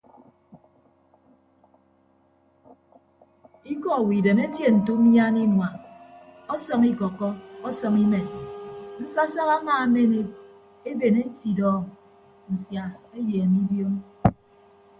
Ikọ owo idem etie nte umiana inua ọsọñ ikọkkọ ọsọñ imen nsasak amaamen eben etidọọñ nsia eyeeme ibiom.